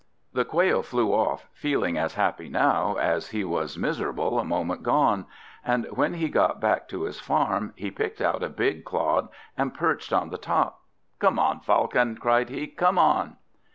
The Quail flew off, feeling as happy now as he was miserable a moment gone; and when he got back to his farm he picked out a big clod and perched on the top. "Come on, Falcon!" cried he; "come on!"